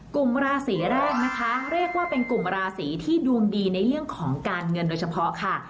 กลุ่มราศีแรกนะคะเรียกว่าเป็นกลุ่มราศีที่ดวงดีในเรื่องของการเงินโดยเฉพาะค่ะ